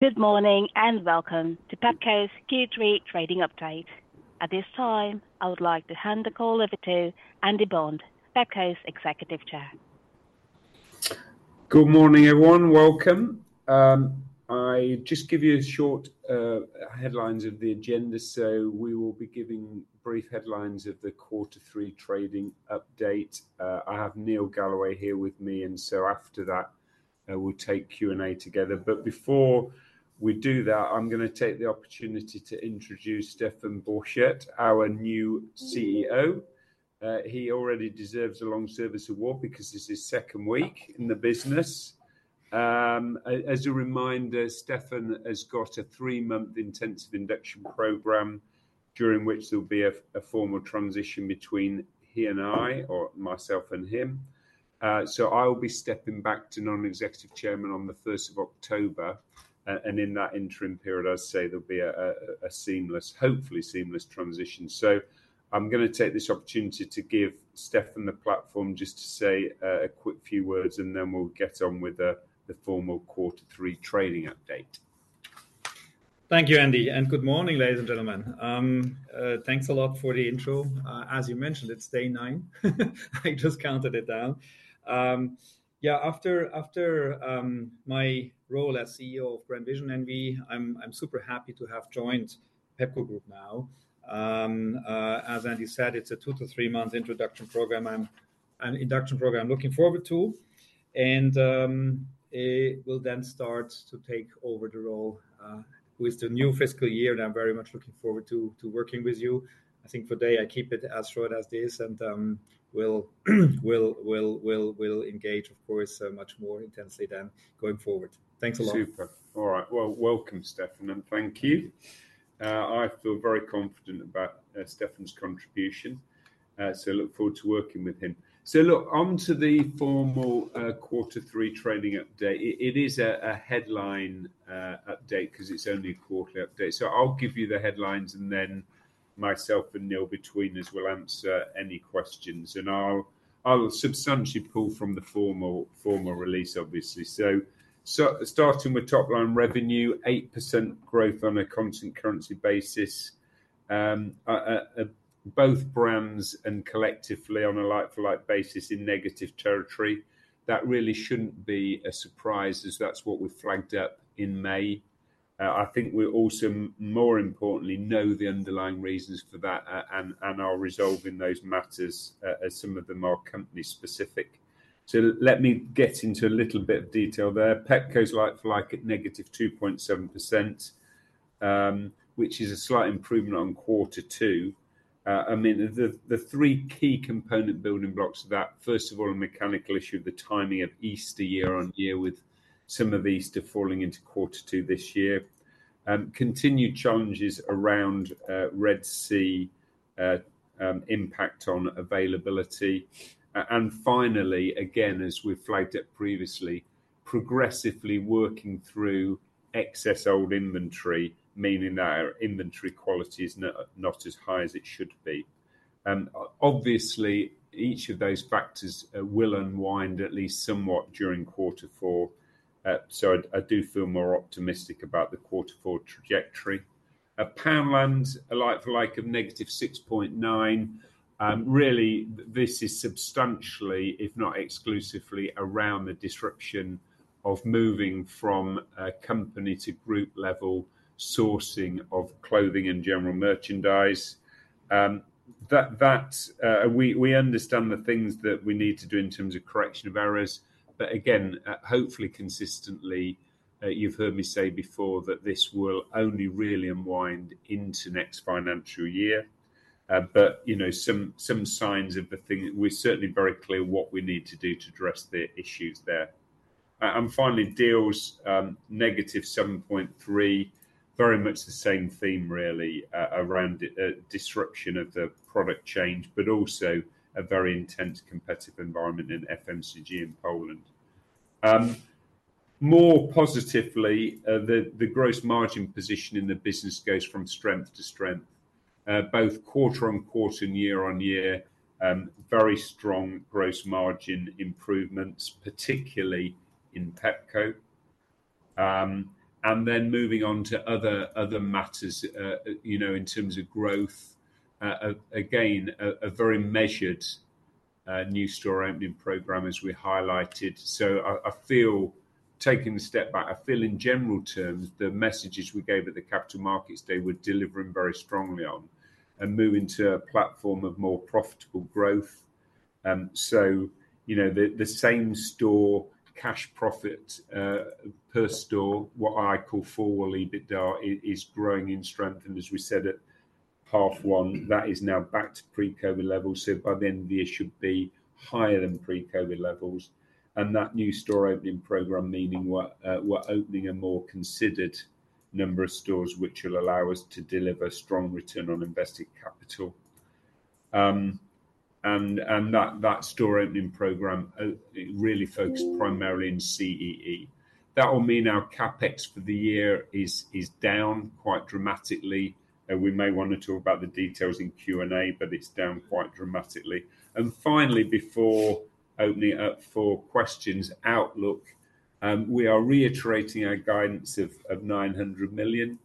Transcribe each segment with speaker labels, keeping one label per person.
Speaker 1: Good morning and welcome to Pepco's Q3 Trading Update. At this time, I would like to hand the call over to Andy Bond, Pepco's Executive Chair.
Speaker 2: Good morning, everyone. Welcome. I just give you short headlines of the agenda. So we will be giving brief headlines of the quarter three trading update. I have Neil Galloway here with me, and so after that, we'll take Q and A together. But before we do that, I'm gonna take the opportunity to introduce Stephan Borchert, our new CEO. He already deserves a long service award because this is his second week in the business. As a reminder, Stephan has got a three-month intensive induction program during which there'll be a formal transition between he and I, or myself and him. So I'll be stepping back to non-executive chairman on the 1st of October. And in that interim period, I'd say there'll be a seamless, hopefully seamless transition. So I'm gonna take this opportunity to give Stephan the platform just to say a quick few words, and then we'll get on with the formal quarter three trading update.
Speaker 3: Thank you, Andy. Good morning, ladies and gentlemen. Thanks a lot for the intro. As you mentioned, it's day nine. I just counted it down. Yeah, after my role as CEO of GrandVision NV, I'm super happy to have joined Pepco Group now. As Andy said, it's a two to three months introduction program. I'm induction program I'm looking forward to. We'll then start to take over the role, with the new fiscal year. I'm very much looking forward to working with you. I think for today, I keep it as short as this, and we'll engage, of course, much more intensely than going forward. Thanks a lot.
Speaker 2: Super. All right. Well, welcome, Stephan, and thank you. I feel very confident about Stephan's contribution, so look forward to working with him. So look, onto the formal quarter three trading update. It is a headline update 'cause it's only a quarterly update. So I'll give you the headlines, and then myself and Neil between us will answer any questions. And I'll substantially pull from the formal release, obviously. So starting with top line revenue, 8% growth on a constant currency basis. Both brands and collectively on a like-for-like basis in negative territory. That really shouldn't be a surprise as that's what we flagged up in May. I think we also, more importantly, know the underlying reasons for that, and are resolving those matters, as some of them are company specific. So let me get into a little bit of detail there. Pepco's like-for-like at -2.7%, which is a slight improvement on quarter two. I mean, the three key component building blocks of that, first of all, a mechanical issue, the timing of Easter year-on-year with some of Easter falling into quarter two this year. Continued challenges around Red Sea impact on availability. And finally, again, as we've flagged it previously, progressively working through excess old inventory, meaning that our inventory quality is not as high as it should be. Obviously, each of those factors will unwind at least somewhat during quarter four. So I do feel more optimistic about the quarter four trajectory. Poundland's like-for-like of -6.9%. Really, this is substantially, if not exclusively, around the disruption of moving from company to group level sourcing of clothing and general merchandise. We understand the things that we need to do in terms of correction of errors. But again, hopefully consistently, you've heard me say before that this will only really unwind into next financial year. But you know, some signs. The thing we're certainly very clear what we need to do to address the issues there. And finally, Dealz, negative 7.3, very much the same theme, really, around disruption of the product change, but also a very intense competitive environment in FMCG in Poland. More positively, the gross margin position in the business goes from strength to strength, both quarter-on-quarter and year-on-year. Very strong gross margin improvements, particularly in Pepco. And then moving on to other matters, you know, in terms of growth, again, a very measured new store opening program as we highlighted. So, I, I feel, taking a step back, I feel in general terms, the messages we gave at the capital markets. They were delivering very strongly on and moving to a platform of more profitable growth. So, you know, the, the same store cash profit, per store, what I call four-wall leave it there, is growing in strength. And as we said at half one, that is now back to pre-COVID levels. So by the end of the year, it should be higher than pre-COVID levels. And that new store opening program, meaning we're, we're opening a more considered number of stores, which will allow us to deliver strong return on invested capital. And, and that, that store opening program, really focused primarily in CEE. That will mean our CapEx for the year is, is down quite dramatically. We may wanna talk about the details in Q&A, but it's down quite dramatically. Finally, before opening up for questions, outlook, we are reiterating our guidance of 900 million.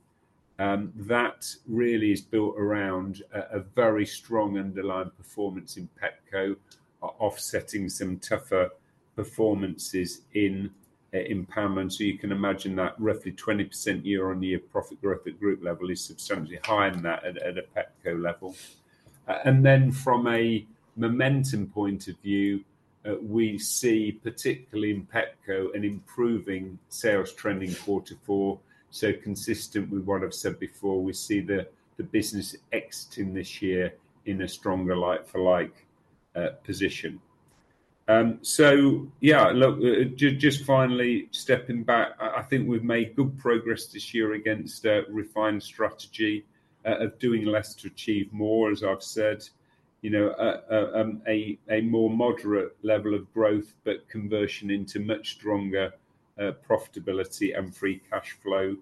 Speaker 2: That really is built around a very strong underlying performance in Pepco, offsetting some tougher performances in Poundland. So you can imagine that roughly 20% year-on-year profit growth at group level is substantially higher than that at a Pepco level. Then from a momentum point of view, we see particularly in Pepco an improving sales trend in quarter four. So consistent with what I've said before, we see the business exiting this year in a stronger like-for-like position. So yeah, look, just finally stepping back, I think we've made good progress this year against refined strategy of doing less to achieve more. As I've said, you know, a more moderate level of growth, but conversion into much stronger profitability and free cash flow.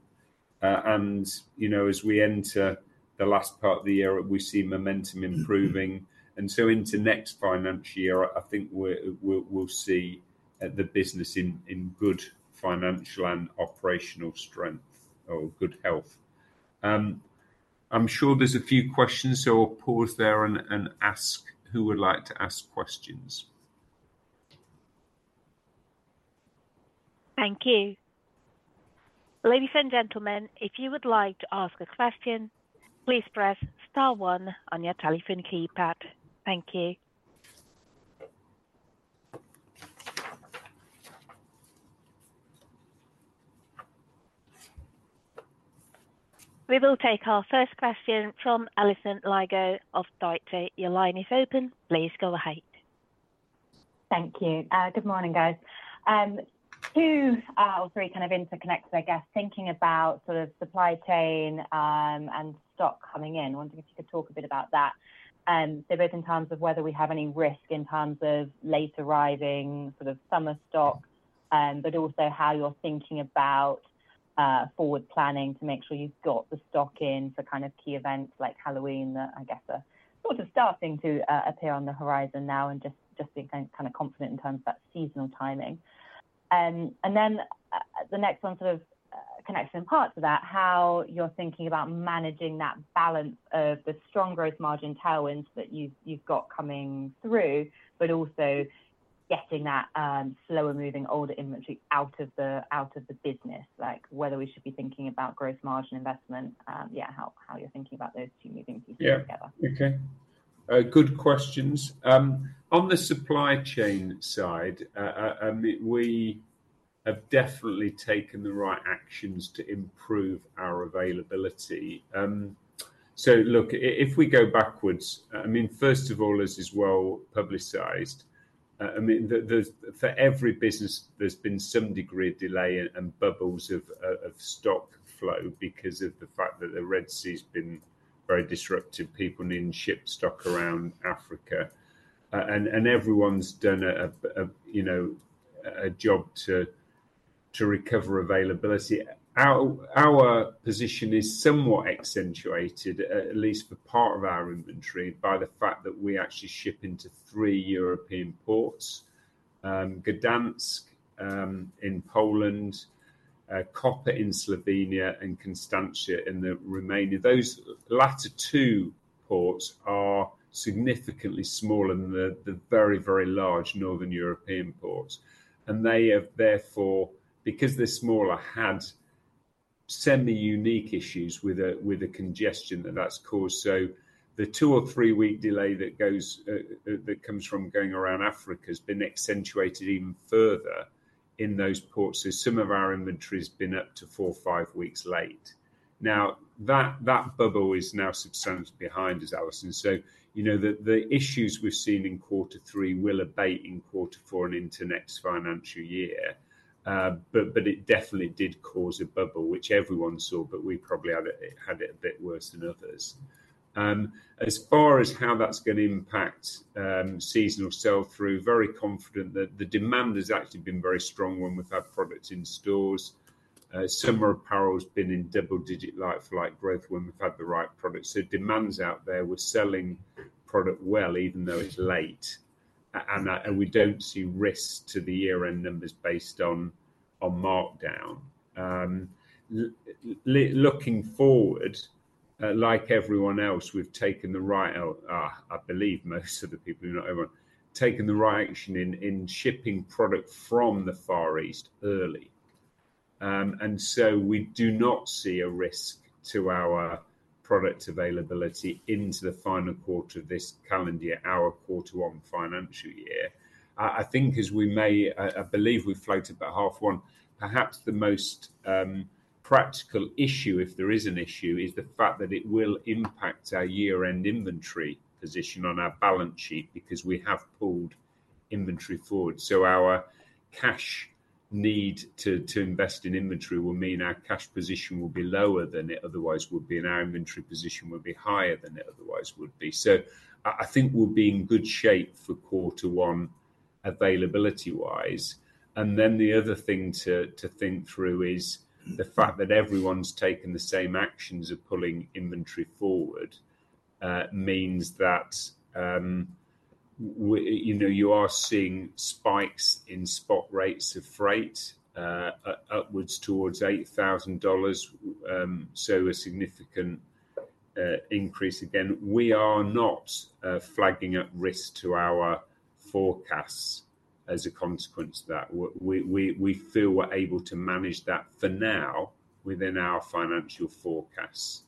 Speaker 2: You know, as we enter the last part of the year, we see momentum improving. So into next financial year, I think we'll see the business in good financial and operational strength or good health. I'm sure there's a few questions, so I'll pause there and ask who would like to ask questions.
Speaker 1: Thank you. Ladies and gentlemen, if you would like to ask a question, please press star one on your telephone keypad. Thank you. We will take our first question from Alison Lygo of Deutsche Bank. Your line is open. Please go ahead.
Speaker 4: Thank you. Good morning, guys. Two or three kind of interconnects, I guess, thinking about sort of supply chain and stock coming in. Wondering if you could talk a bit about that. So both in terms of whether we have any risk in terms of late arriving sort of summer stock, but also how you are thinking about forward planning to make sure you've got the stock in for kind of key events like Halloween that I guess are sort of starting to appear on the horizon now and just being kind of confident in terms of that seasonal timing. And then the next one sort of connection in parts of that, how you are thinking about managing that balance of the strong growth margin tailwinds that you've got coming through, but also getting that slower moving older inventory out of the business, like whether we should be thinking about gross margin investment, yeah, how you're thinking about those two moving pieces together.
Speaker 2: Yeah. Okay. Good questions. On the supply chain side, we have definitely taken the right actions to improve our availability. So look, if we go backwards, I mean, first of all, this is well publicized. I mean, there's for every business, there's been some degree of delay and bubbles of stock flow because of the fact that the Red Sea's been very disruptive. People needn't ship stock around Africa. And everyone's done a, you know, a job to recover availability. Our position is somewhat accentuated, at least for part of our inventory by the fact that we actually ship into three European ports, Gdańsk in Poland, Koper in Slovenia, and Constanța in Romania. Those latter two ports are significantly smaller than the very, very large northern European ports. They have therefore, because they're smaller, had semi-unique issues with a congestion that's caused. So the 2- or 3-week delay that comes from going around Africa has been accentuated even further in those ports. So some of our inventory's been up to 4-5 weeks late. Now that bubble is now substantially behind us, Alison. So, you know, the issues we've seen in quarter three will abate in quarter four and into next financial year. But it definitely did cause a bubble, which everyone saw, but we probably had it a bit worse than others. As far as how that's gonna impact seasonal sell-through, very confident that the demand has actually been very strong when we've had products in stores. Summer apparel's been in double-digit like-for-like growth when we've had the right product. So demand's out there. We're selling product well even though it's late, and we don't see risk to the year-end numbers based on markdown. Looking forward, like everyone else, we've taken the right, I believe most of the people, not everyone, taken the right action in shipping product from the Far East early, and so we do not see a risk to our product availability into the final quarter of this calendar year, our quarter one financial year. I think as we may, I believe we float about half one. Perhaps the most practical issue, if there is an issue, is the fact that it will impact our year-end inventory position on our balance sheet because we have pulled inventory forward. So our cash need to invest in inventory will mean our cash position will be lower than it otherwise would be, and our inventory position will be higher than it otherwise would be. So I think we'll be in good shape for quarter one availability-wise. And then the other thing to think through is the fact that everyone's taken the same actions of pulling inventory forward, means that, you know, you are seeing spikes in spot rates of freight, upwards towards $8,000, so a significant increase. Again, we are not flagging up risk to our forecasts as a consequence of that. We feel we're able to manage that for now within our financial forecasts,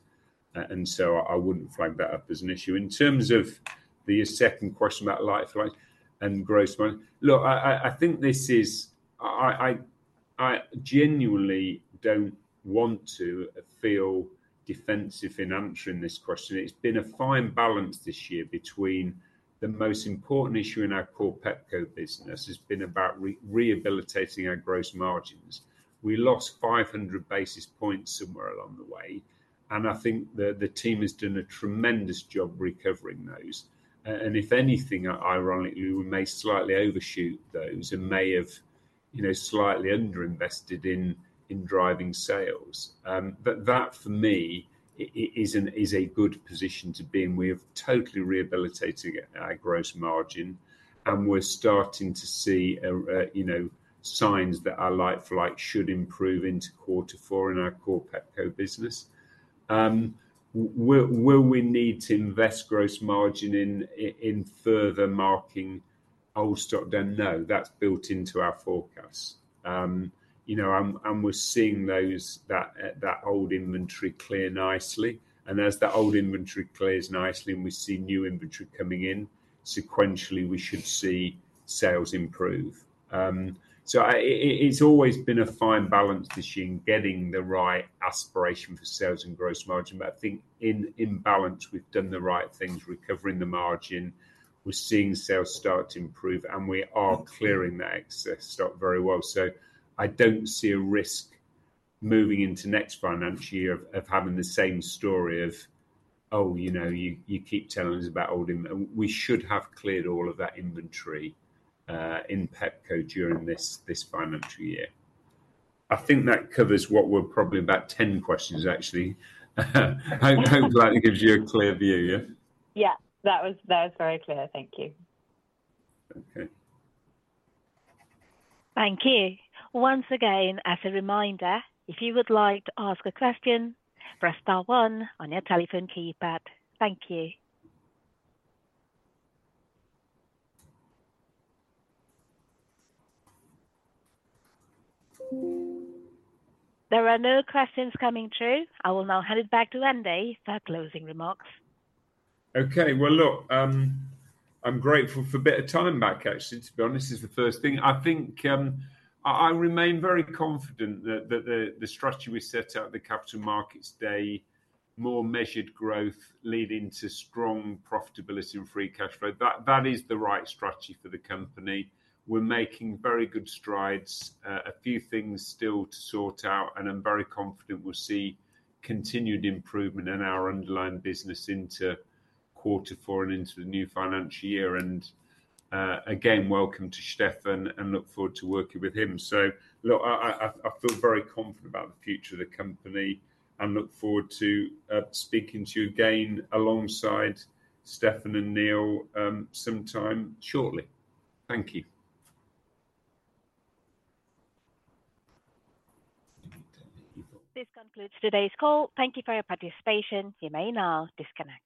Speaker 2: and so I wouldn't flag that up as an issue. In terms of the second question about like-for-like and gross margin, look, I think this is, I genuinely don't want to feel defensive in answering this question. It's been a fine balance this year between the most important issue in our core Pepco business has been about rehabilitating our gross margins. We lost 500 basis points somewhere along the way. I think the team has done a tremendous job recovering those. If anything, ironically, we may slightly overshoot those and may have, you know, slightly underinvested in driving sales. But that for me, it is a good position to be in. We have totally rehabilitated our gross margin, and we're starting to see, you know, signs that our like-for-like should improve into quarter four in our core Pepco business. Will we need to invest gross margin in further marking old stock down? No, that's built into our forecasts. You know, and we're seeing that old inventory clear nicely. And as that old inventory clears nicely and we see new inventory coming in sequentially, we should see sales improve. So it's always been a fine balance this year in getting the right aspiration for sales and gross margin. But I think in balance, we've done the right things, recovering the margin. We're seeing sales start to improve, and we are clearing the excess stock very well. So I don't see a risk moving into next financial year of having the same story of, oh, you know, you keep telling us about old inventory. We should have cleared all of that inventory in Pepco during this financial year. I think that covers what were probably about 10 questions, actually. Hopefully that gives you a clear view, yeah?
Speaker 4: Yeah, that was, that was very clear. Thank you.
Speaker 2: Okay.
Speaker 1: Thank you. Once again, as a reminder, if you would like to ask a question, press star one on your telephone keypad. Thank you. There are no questions coming through. I will now hand it back to Andy for closing remarks.
Speaker 2: Okay. Well, look, I'm grateful for a bit of time back, actually, to be honest. This is the first thing. I think, I, I remain very confident that, that the, the strategy we set out at the Capital Markets Day, more measured growth leading to strong profitability and free cash flow, that, that is the right strategy for the company. We're making very good strides. A few things still to sort out, and I'm very confident we'll see continued improvement in our underlying business into quarter four and into the new financial year. And, again, welcome to Stephan and look forward to working with him. So, look, I, I, I, I feel very confident about the future of the company and look forward to speaking to you again alongside Stephan and Neil, sometime shortly. Thank you.
Speaker 1: This concludes today's call. Thank you for your participation. You may now disconnect.